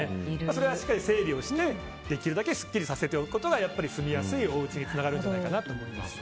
それはしっかり整理をしてできるだけすっきりさせておくことが住みやすいおうちにつながるんじゃないかと思います。